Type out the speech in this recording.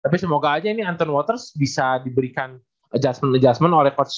tapi semoga aja ini anton waters bisa diberikan adjustment adjustment oleh coach inal ya